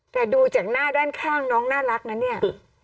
แต่ดูจากหน้าด้านข้างน้องน่ารักนะเนี่ย